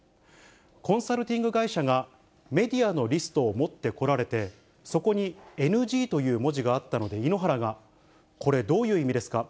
コンサルティング会社がメディアのリストを持ってこられて、そこにＮＧという文字があったので、井ノ原が、これ、どういう意味ですか？